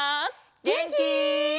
げんき？